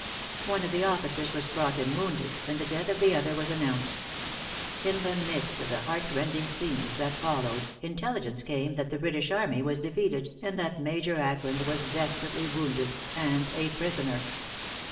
One of the officers was brought in wounded, and the death of the other was announced. In the midst of the heartrending scenes that followed, intelligence came that the British army was defeated, and that Major Ackland was desperately wounded and a prisoner.